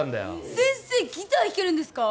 先生ギター弾けるんですか！？